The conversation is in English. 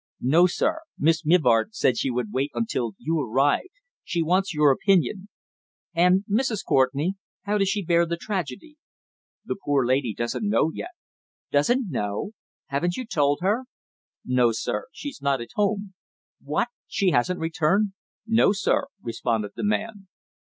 "No, sir. Miss Mivart said she would wait until you arrived. She wants your opinion." "And Mrs. Courtenay. How does she bear the tragedy?" "The poor lady doesn't know yet." "Doesn't know? Haven't you told her?" "No, sir. She's not at home." "What? She hasn't returned?" "No, sir," responded the man.